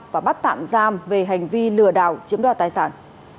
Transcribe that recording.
và bắt tạm giam về hành vi lừa đảo chiếm đoạt tài sản